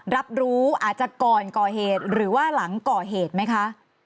รับรู้อาจจะก่อนก่อเหตุหรือว่าหลังก่อเหตุไหมคะ